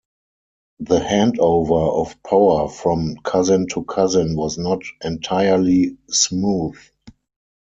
The handover of power from cousin to cousin was not entirely smooth.